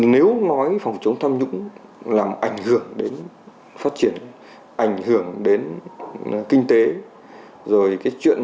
nếu nói phòng chống tham nhũng làm ảnh hưởng đến phát triển ảnh hưởng đến kinh tế